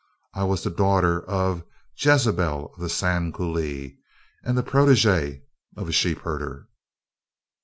I was the daughter of 'Jezebel of the Sand Coulee' and the protegée of a 'sheepherder.'